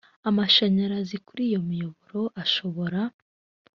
amashanyarazi kuri iyo miyoboro ashobora